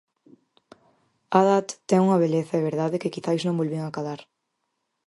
'Aadat' ten unha beleza e verdade que quizais non volvín acadar.